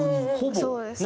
そうですね。